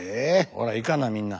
ほら行かなみんな。